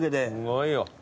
すごいよ。